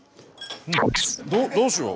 どうしよう。